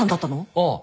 ああ。